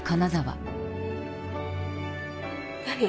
何？